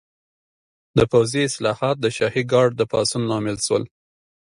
د پوځي اصلاحات د شاهي ګارډ د پاڅون لامل شول.